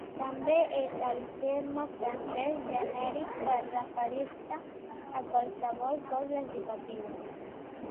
També és el terme francès genèric per referir-se a qualsevol cos legislatiu.